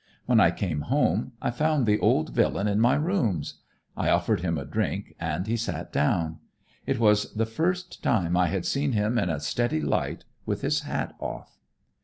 When I came home, I found the old villain in my rooms. I offered him a drink, and he sat down. It was the first time I had seen him in a steady light, with his hat off.